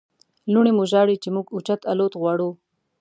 لوڼې مو ژاړي چې موږ اوچت الوت غواړو.